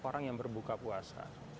orang yang berbuka puasa